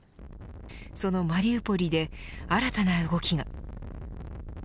そのマリウポリで新たな動きが。